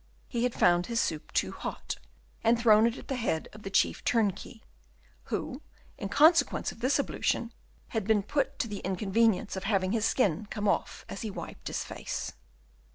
He had found his soup too hot, and thrown it at the head of the chief turnkey, who in consequence of this ablution had been put to the inconvenience of having his skin come off as he wiped his face.